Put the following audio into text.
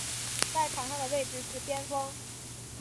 在场上的位置是边锋。